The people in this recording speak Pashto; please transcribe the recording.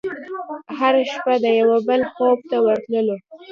هره شپه د یوه بل خوب ته ورتللو